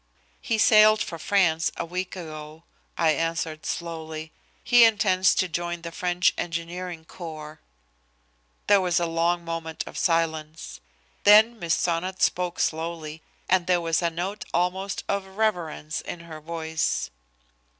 "He sailed for France a week ago," I answered slowly. "He intends to join the French engineering corps." There was a long moment of silence. Then Miss Sonnot spoke slowly, and there was a note almost of reverence in her voice.